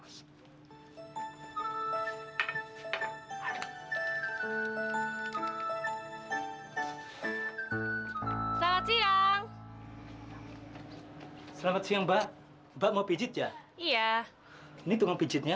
hai selamat siang selamat siang mbak mbak mau pijit ya iya ini tuh pijitnya